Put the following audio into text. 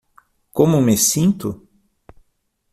Como me sinto?